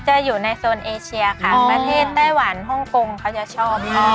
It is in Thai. จะอยู่ในโซนเอเชียค่ะประเทศไต้หวันฮ่องกงเขาจะชอบ